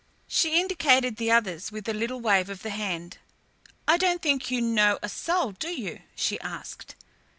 She indicated the others with a little wave of the hand. "I don't think you know a soul, do you?" she asked.